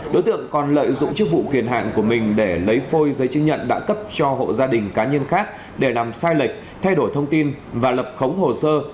đối tượng còn lợi dụng chức vụ quyền hạn của mình để lấy phôi giấy chứng nhận đã cấp cho hộ gia đình cá nhân khác để làm sai lệch thay đổi thông tin và lập khống hồ sơ